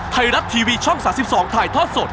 ไทรัตทีวีช่อง๓๒ไทยทอดสด